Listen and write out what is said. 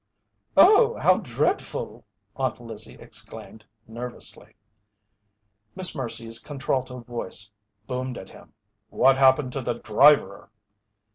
"Oh, how dread ful!" Aunt Lizzie exclaimed, nervously. Miss Mercy's contralto voice boomed at him: "What happened to the driver?"